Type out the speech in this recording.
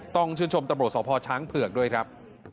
ต้องชื่นชมตำรวจสพช้างเผือกด้วยครับ